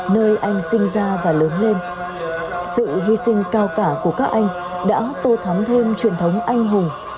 nơi anh sinh ra và lớn lên sự hy sinh cao cả của các anh đã tô thắm thêm truyền thống anh hùng